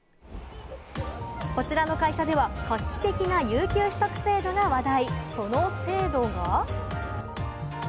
こちらの会社では画期的な有給取得制度が話題。